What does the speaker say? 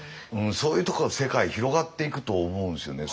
そういうところの世界広がっていくと思うんですよね。